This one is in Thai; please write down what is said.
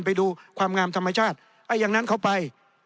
ไปดูความงามธรรมชาติอย่างนั้นเขาไป